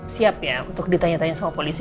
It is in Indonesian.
siap ya untuk ditanya tanya sama polisi